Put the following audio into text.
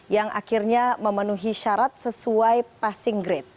yang akhirnya memenuhi syarat sesuai passing grade